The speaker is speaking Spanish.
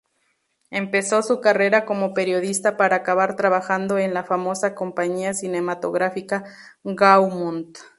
Empezó su carrera como periodista para acabar trabajando en la famosa compañía cinematográfica Gaumont.